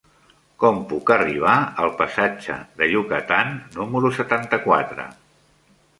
Com puc arribar al passatge de Yucatán número setanta-quatre?